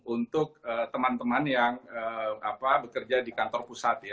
untuk teman teman yang bekerja di kantor pusat ya